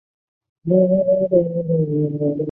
茂名无盾龟是入选国家重点保护古生物化石名录。